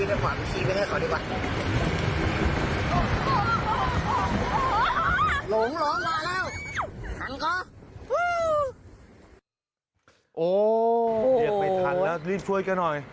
โอ้โหเรียกไม่ทันแล้วรีบช่วยกันหน่อย